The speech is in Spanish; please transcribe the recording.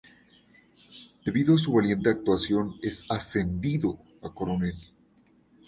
Debido a su valiente actuación es ascendido a Coronel.